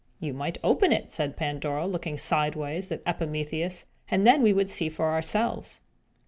"You might open it," said Pandora, looking sideways at Epimetheus, "and then we could see for ourselves."